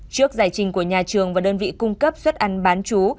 trước giải trình của nhà trường và đơn vị cung cấp suất ăn bán chú